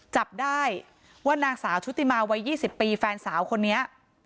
จับได้ว่านางสาวชุติมาวัย๒๐ปีแฟนสาวคนนี้